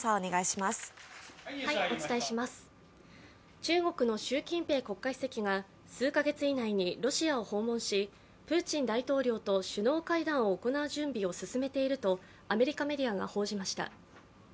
中国の習近平国家主席が、数か月以内にロシアを訪問し、プーチン大統領と首脳会談を行う準備を進めているとアメリカメディアが報じました。